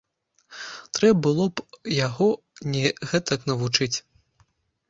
Трэ было б яго не гэтак навучыць.